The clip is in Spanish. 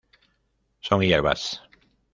Son hierbas.